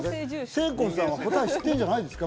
せいこうさんは答え知ってんじゃないですか？